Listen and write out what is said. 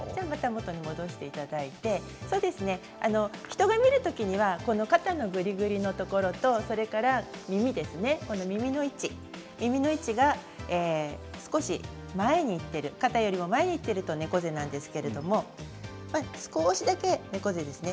もとに戻していただいて人が見る時は肩のぐりぐりのところと耳の位置ですね耳の位置が少し前にいっている肩よりも前にいっていると猫背なんですけど少しだけ猫背ですね